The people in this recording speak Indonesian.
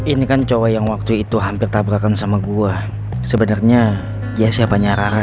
ini kan cowok yang waktu itu hampir tabrakan sama gue sebenarnya dia siapanya rara